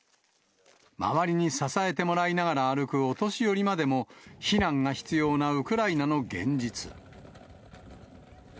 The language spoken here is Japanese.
周りに支えてもらいながら歩くお年寄りまでも、避難が必要なウクライナの現実。